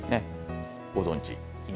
ご存じ。